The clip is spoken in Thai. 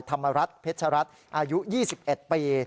ธรรมรัฐเพชรัตน์อายุ๒๑ปี